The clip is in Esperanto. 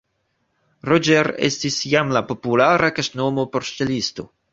Roger estis iam la populara kaŝnomo por ŝtelisto.